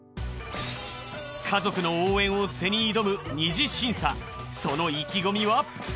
家族の応援を背に挑む二次審査その意気込みは？